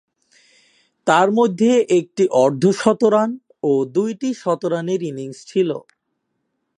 তন্মধ্যে, একটি অর্ধ-শতরান ও দুইটি শতরানের ইনিংস ছিল।